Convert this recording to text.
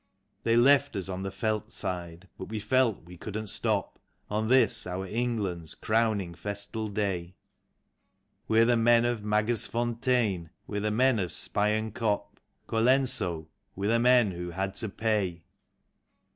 " They left us on the veldt side, but we felt we couldn't stop, On this, our England's crowning festal day ; We're the men of Magersfontein, we're the men of Spion Kop, Colenso, — we're the men who had to pay.